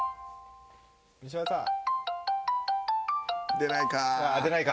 出ないか。